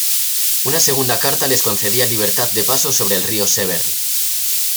Una segunda carta les concedía libertad de paso sobre el río Severn.